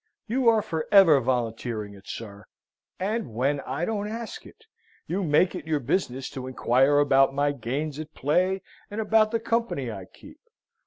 You are for ever volunteering it, sir, and when I don't ask it. You make it your business to inquire about my gains at play, and about the company I keep.